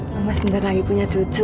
mama sebentar lagi punya cucu